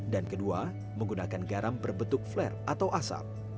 dan kedua menggunakan garam berbentuk flare atau asap